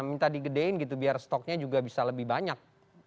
minta digedein gitu biar stoknya juga bisa lebih banyak